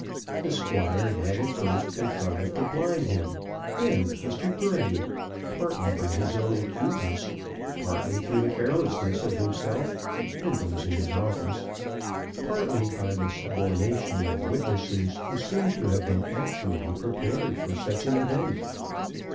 The squire had at first contrived to blind him, him, Mr. Grey, partly by his own acuteness, partly through the carelessness of himself and those in his office, partly by the subornation of witnesses who seemed to have been actually prepared for such an event.